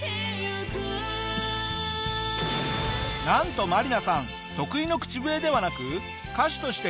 なんとマリナさん得意のえっそうなの？